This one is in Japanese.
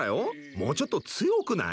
もうちょっと強くない？